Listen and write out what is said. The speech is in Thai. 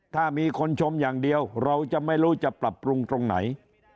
ถ้ามีคนชมอย่างเดียวเราจะไม่รู้จะปรับปรุงตรงไหน